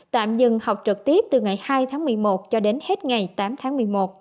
tạm dừng học trực tiếp từ ngày hai tháng một mươi một cho đến hết ngày tám tháng một mươi một